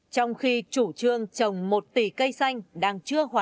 trong khi chủ trương trồng một tỷ cây xanh